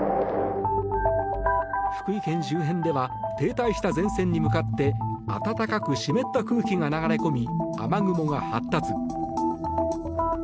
福井県周辺では停滞した前線に向かって暖かく湿った空気が流れ込み雨雲が発達。